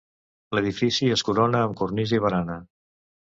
L'edifici es corona amb cornisa i barana.